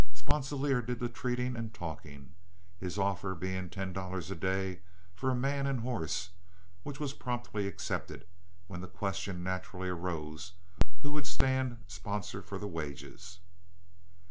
Sponsilier did the treating and talking, his offer being ten dollars a day for a man and horse, which was promptly accepted, when the question naturally arose who would stand sponsor for the wages.